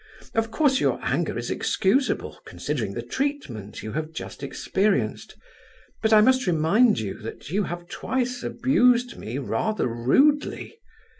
Of course your anger is excusable, considering the treatment you have just experienced; but I must remind you that you have twice abused me rather rudely.